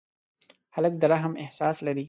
هلک د رحم احساس لري.